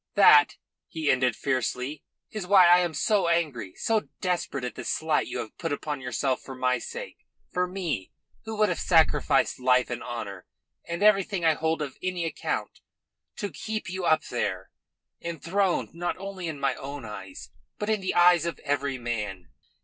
That," he ended fiercely, "is why I am so angry, so desperate at the slight you have put upon yourself for my sake for me, who would have sacrificed life and honour and everything I hold of any account, to keep you up there, enthroned not only in my own eyes, but in the eyes of every man."